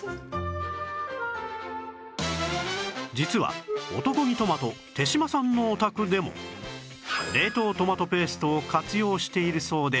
実は男気トマト手島さんのお宅でも冷凍トマトペーストを活用しているそうで